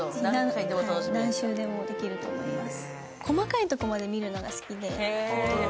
何周でもできると思います。